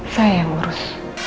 saya yang urus